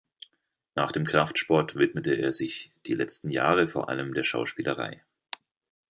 Nach dem Kraftsport widmete er sich die letzten Jahre vor allem der Schauspielerei.